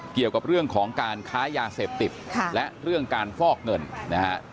เกี่ยวกับเรื่องของการค้ายาเสพติดและเรื่องการฟอกเงินนะฮะ